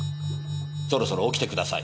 そろそろ起きてください。